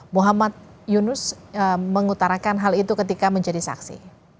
muhammad yunus mengutarakan hal itu ketika menjadi saksi